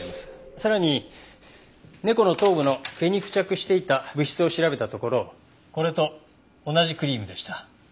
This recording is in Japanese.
さらに猫の頭部の毛に付着していた物質を調べたところこれと同じクリームでした。